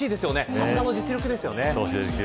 さすがの実力ですよね。